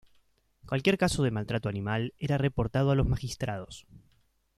Cualquier caso de maltrato animal era reportado a los magistrados.